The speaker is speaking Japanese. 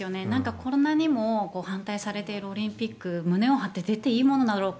こんなにも反対されているオリンピック胸を張って出ていいものだろうか。